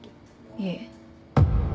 いえ。